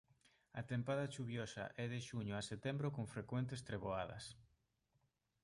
A tempada chuviosa é de xuño a setembro con frecuentes treboadas.